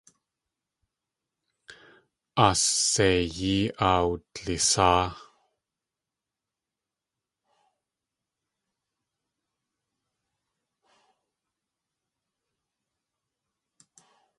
Aas seiyí áa wdlisáa.